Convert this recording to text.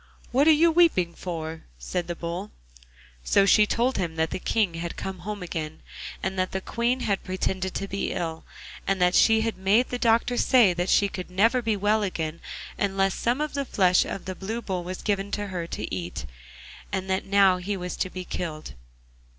'What are you weeping for?' said the Bull. So she told him that the King had come home again, and that the Queen had pretended to be ill, and that she had made the doctor say that she could never be well again unless some of the flesh of the Blue Bull was given her to eat, and that now he was to be killed.